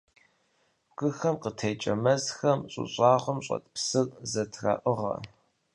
Бгыхэм къытекӀэ мэзхэм щӀы щӀагъым щӀэт псыр зэтраӀыгъэ.